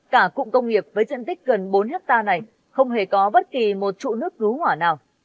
cả cụm công nghiệp với diện tích gần bốn hectare này không hề có bất kỳ một trụ nước cứu hỏa nào